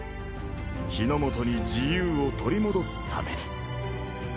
日ノ本に自由を取り戻すために。